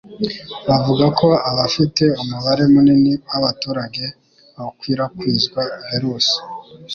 bavuga ko abafite umubare munini w'abaturage bakwirakwizwa virusi